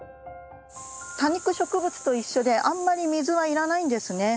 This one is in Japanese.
多肉植物と一緒であんまり水はいらないんですね。